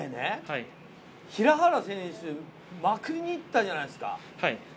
単騎で平原選手、まくりに行ったじゃないですか。